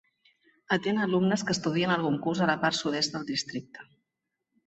Atén a alumnes que estudien algun curs a la part sud-est del districte.